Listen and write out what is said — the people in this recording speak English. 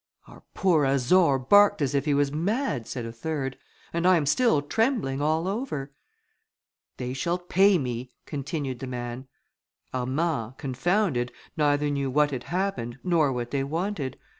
"Our poor Azor barked as if he was mad," said a third, "and I am still trembling all over." "They shall pay me," continued the man. Armand, confounded, neither knew what had happened, nor what they wanted.